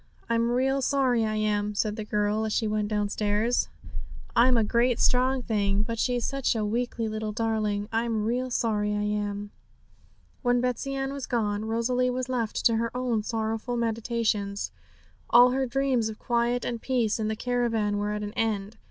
'I'm real sorry, I am!' said the girl, as she went downstairs. 'I'm a great strong thing, but she's such a weakly little darling. I'm real sorry, I am!' When Betsey Ann was gone, Rosalie was left to her own sorrowful meditations. All her dreams of quiet and peace in the caravan were at an end.